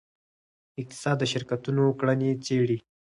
اقتصاد د شرکتونو کړنې څیړي.